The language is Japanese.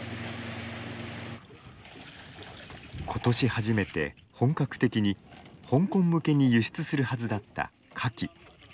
今年初めて本格的に、香港向けに輸出するはずだったかき。